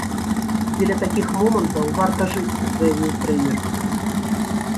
Дзеля такіх момантаў варта жыць, заявіў трэнер.